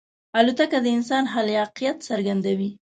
الوتکه د انسان خلاقیت څرګندوي.